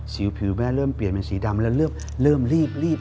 ผิวผิวแม่เริ่มเปลี่ยนเป็นสีดำแล้วเริ่มรีบ